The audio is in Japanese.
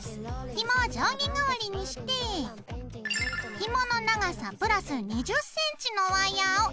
ひもを定規代わりにしてひもの長さ＋２０ｃｍのワイヤーを４本用意します。